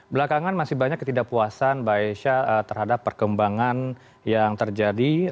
belakangan masih banyak ketidakpuasan mbak aisyah terhadap perkembangan yang terjadi